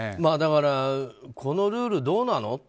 だから、このルールどうなの？